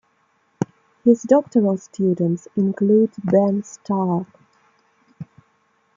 His doctoral students include Ben Stark.